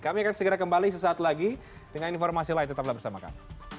kami akan segera kembali sesaat lagi dengan informasi lain tetaplah bersama kami